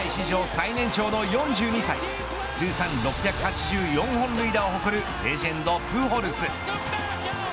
最年長の４２歳通算６８４本塁打を放つレジェンド、プホルス。